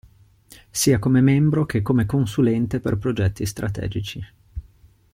Sia come membro che come consulente per progetti strategici.